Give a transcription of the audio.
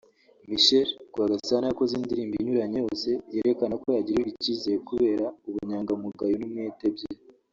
Michel Rwagasana yakoze imirimo inyuranye yose yerekana ko yagirirwaga icyizere kubera ubunyangamugayo n’umwete bye